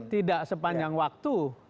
tidak sepanjang waktu